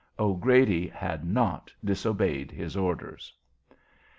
O'Grady had not disobeyed his orders.